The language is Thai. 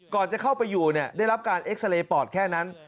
จะเข้าไปอยู่ได้รับการเอ็กซาเรย์ปอดแค่นั้น